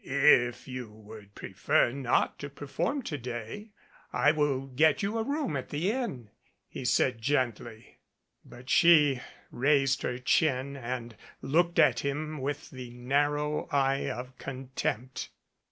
"If you would prefer not to perform to day I will get you a room at an inn," he said gently. But she raised her chin and looked at him with the narrow eye of contempt.